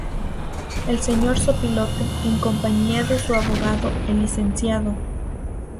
El señor Zopilote, en compañía de su abogado, el Lic.